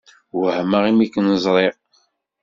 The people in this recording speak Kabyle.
Wehmeɣ imi ken-ẓṛiɣ.